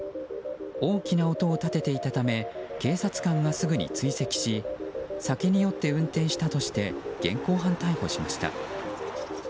大きな音を立てていたため警察官がすぐに追跡し酒に酔って運転したとして現行犯逮捕しました。